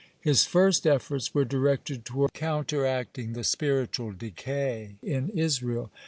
His first efforts were directed toward counteracting the spiritual decay in Israel.